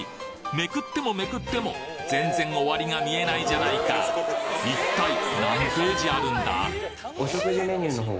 めくってもめくっても全然終わりが見えないじゃないか一体何ページあるんだ？